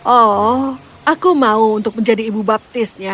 oh aku mau untuk menjadi ibu baptis ya